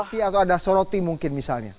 ada kritis atau ada soroti mungkin misalnya